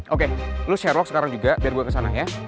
oke lo share walk sekarang juga biar gue kesana ya